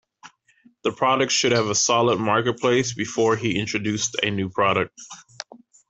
The products should have a solid market place before he introduced a new product.